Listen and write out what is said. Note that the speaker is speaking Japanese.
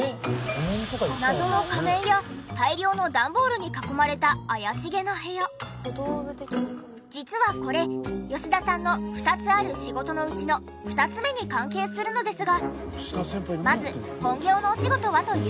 謎の仮面や大量の段ボールに囲まれた実はこれ吉田さんの２つある仕事のうちの２つ目に関係するのですがまず本業のお仕事はというと。